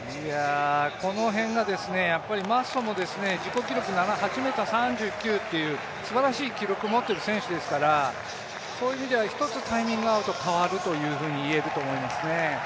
この辺がマッソも自己記録８ｍ３９というすばらしい記録を持っている選手ですからそういう意味ではひとつタイミングが合うと変わるというふうに言えると思いますね。